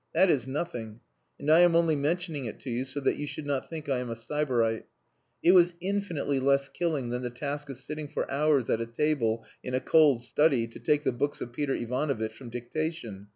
That is nothing, and I am only mentioning it to you so that you should not think I am a sybarite. It was infinitely less killing than the task of sitting for hours at a table in a cold study to take the books of Peter Ivanovitch from dictation.